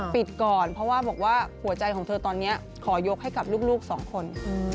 ปิดก่อนเพราะว่าบอกว่าหัวใจของเธอตอนนี้ขอยกให้กับลูกสองคน